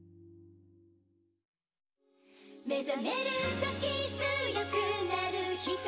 「目醒めるとき強くなる瞳に」